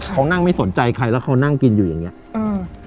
เขานั่งไม่สนใจใครแล้วเขานั่งกินอยู่อย่างเงี้อืม